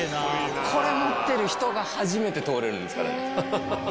これ持ってる人が初めて通れるんですからね。